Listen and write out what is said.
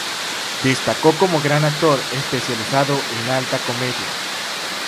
Destacó como gran actor especializado en alta comedia.